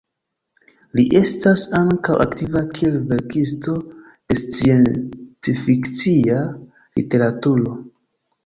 Li estas ankaŭ aktiva kiel verkisto de sciencfikcia literaturo.